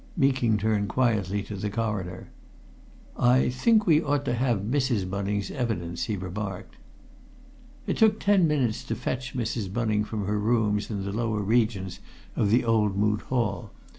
Meeking turned quietly to the Coroner. "I think we ought to have Mrs. Bunning's evidence," he remarked. It took ten minutes to fetch Mrs. Bunning from her rooms in the lower regions of the old Moot Hall.